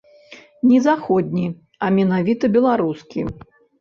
Ні заходні, а менавіта беларускі.